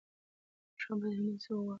موږ هم باید همداسې وغواړو.